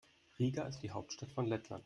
Riga ist die Hauptstadt von Lettland.